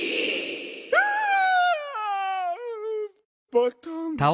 バタン。